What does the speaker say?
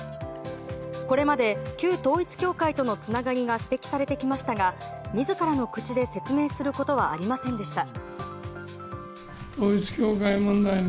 これまで旧統一教会とのつながりが指摘されてきましたが自らの口で説明することはありませんでした。